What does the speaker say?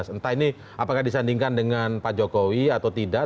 entah ini apakah disandingkan dengan pak jokowi atau tidak